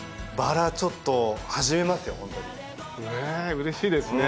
うれしいですね。